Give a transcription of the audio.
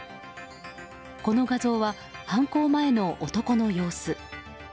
この画像は、犯行前の男の様子。